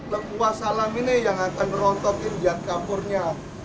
lengkuas salam ini yang akan merontokin jad kapurnya